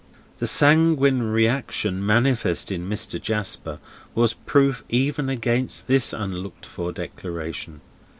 The sanguine reaction manifest in Mr. Jasper was proof even against this unlooked for declaration.